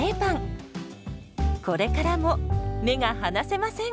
これからも目が離せません！